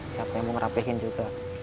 siapa yang mau ngerapihin juga